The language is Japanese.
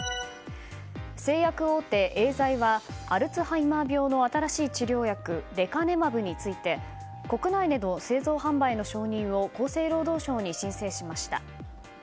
製薬大手エーザイはアルツハイマー病の新しい治療薬レカネマブについて国内での製造・販売の承認を厚生労働省に申請しました。